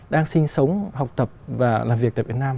đang sinh sống học tập và làm việc tại việt nam